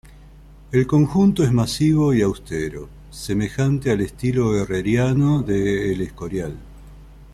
El conjunto es masivo y austero, semejante al estilo herreriano de El Escorial.